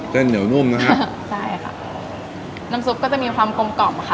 เส้นเหนียวนุ่มนะฮะใช่ค่ะน้ำซุปก็จะมีความกลมกล่อมค่ะ